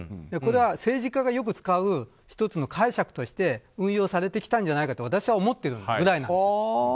これは政治家がよく使う１つの解釈として運用されてきたんじゃないかと私は思ってるぐらいなんです。